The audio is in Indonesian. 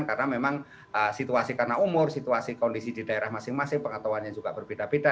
karena memang situasi karena umur situasi kondisi di daerah masing masing pengetahuannya juga berbeda beda